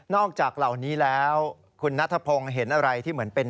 จากเหล่านี้แล้วคุณนัทพงศ์เห็นอะไรที่เหมือนเป็น